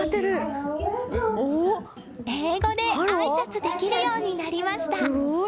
英語であいさつできるようになりました。